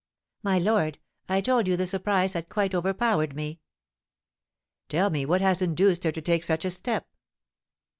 "My lord, I told you the surprise had quite overpowered me!" "Tell me what has induced her to take such a step!